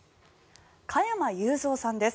加山雄三さんです。